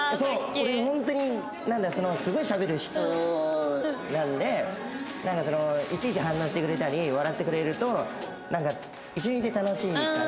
俺ホントにすごいしゃべる人なんでなんかいちいち反応してくれたり笑ってくれると一緒にいて楽しいから。